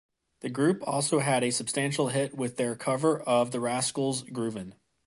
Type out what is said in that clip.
The group also had a substantial hit with their cover of the Rascals' "Groovin'".